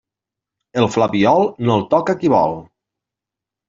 El flabiol, no el toca qui vol.